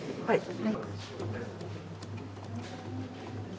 はい。